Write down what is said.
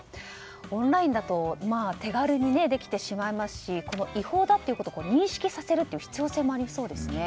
オンラインだと手軽にできてしまいますし違法だということを認識させる必要性もありそうですね。